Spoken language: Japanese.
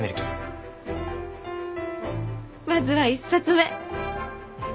まずは１冊目。